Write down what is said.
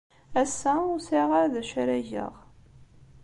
Ass-a, ur sɛiɣ ara d acu ara geɣ.